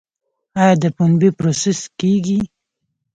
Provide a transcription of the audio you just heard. آیا د پنبې پروسس کیږي؟